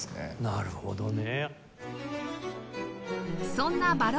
なるほどね！